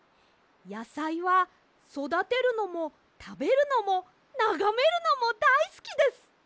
やさいはそだてるのもたべるのもながめるのもだいすきです！